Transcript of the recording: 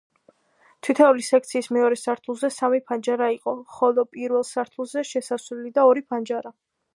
თითოეული სექციის მეორე სართულზე სამი ფანჯარა იყო, ხოლო პირველ სართულზე შესასვლელი და ორი ფანჯარა.